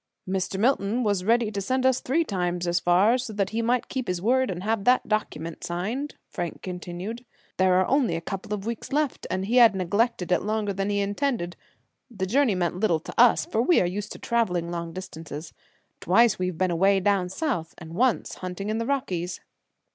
"Mr. Milton was ready to send us three times as far, so that he might keep his word, and have that document signed," Frank continued. "There are only a couple of weeks left, and he had neglected it longer than he intended. The journey meant little to us, for we are used to traveling long distances. Twice we've been away down South, and once hunting in the Rockies."